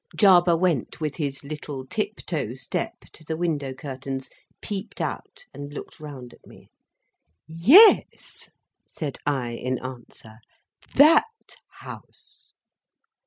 Jarber went with his little tip toe step to the window curtains, peeped out, and looked round at me. "Yes," said I, in answer: "that house."